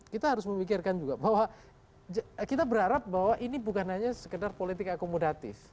kita harus memikirkan juga bahwa kita berharap bahwa ini bukan hanya sekedar politik akomodatif